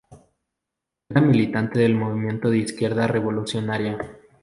Era militante del Movimiento de Izquierda Revolucionaria.